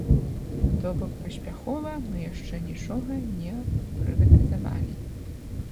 То бок, паспяхова мы яшчэ нічога не прыватызавалі.